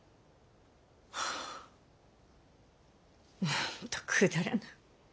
なんとくだらぬ。